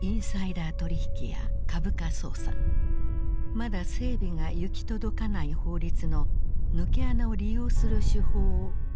まだ整備が行き届かない法律の抜け穴を利用する手法を駆使していた。